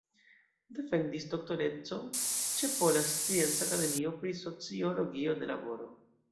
Defendis doktorecon ĉe Pola Scienca Akademio pri sociologio de laboro.